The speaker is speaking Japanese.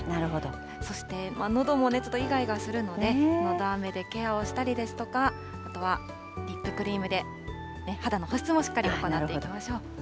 そしてのどもちょっといがいがするので、のどあめでケアをしたりですとか、あとはリップクリームで肌の保湿をしっかり行っていきましょう。